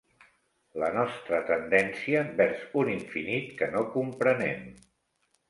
La nostra tendència vers un infinit que no comprenem.